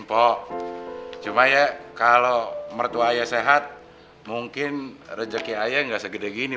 pok cuma ya kalau mertua ayah sehat mungkin rezeki ayah nggak segede gini